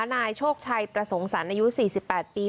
นายโชคชัยประสงค์สรรค์อายุ๔๘ปี